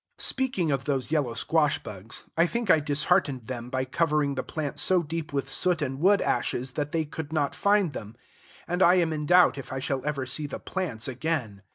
Speaking of those yellow squash bugs, I think I disheartened them by covering the plants so deep with soot and wood ashes that they could not find them; and I am in doubt if I shall ever see the plants again.